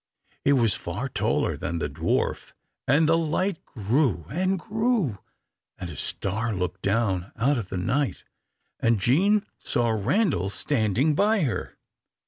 It was far taller than the dwarf and the light grew and grew, and a star looked down out of the night, and Jean saw Randal standing by her.